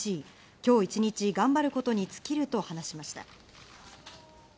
今日一日、頑張ることに尽きると話しました。